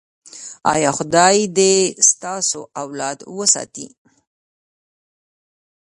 ایا خدای دې ستاسو اولاد وساتي؟